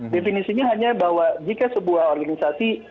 definisinya hanya bahwa jika sebuah organisasi